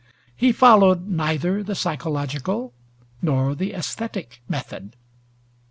He followed neither the psychological nor the aesthetic method.